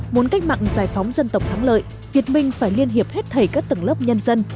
muốn cách mạng giải phóng dân tộc thắng lợi việt minh phải liên hiệp hết thảy các tầng lớp nhân dân